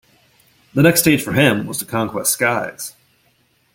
The next stage for him was to conquest skies.